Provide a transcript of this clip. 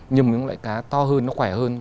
nhưng những loại cá to hơn nó khỏe hơn